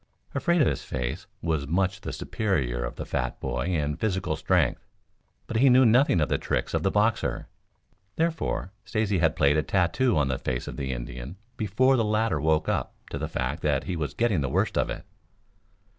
Afraid Of His Face was much the superior of the fat boy in physical strength, but he knew nothing of the tricks of the boxer. Therefore Stacy had played a tattoo on the face of the Indian before the latter woke up to the fact that he was getting the worst of it.